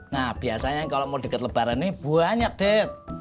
nah biasanya kalau mau deket lebaran nih banyak det